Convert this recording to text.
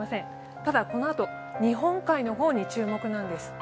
ただ、このあと日本海の方に注目なんです。